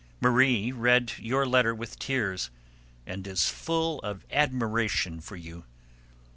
Marie read your letter with tears, and is full of admiration for you.